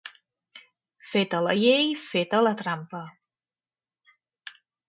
Feta la llei, feta la trampa.